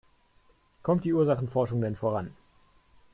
Kommt die Ursachenforschung denn voran?